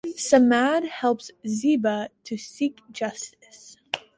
Samad helps Zeba to seek justice.